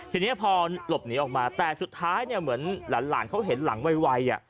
ทีนี้พอหลบหนีออกมาแต่สุดท้ายเนี่ยเหมือนหลานเขาเห็นหลังไว